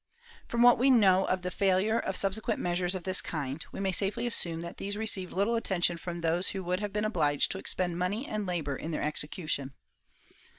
From what we know of the failure of subsequent measures of this kind we may safely assume that these received little attention from those who would have been obliged to expend money and labor in their execution.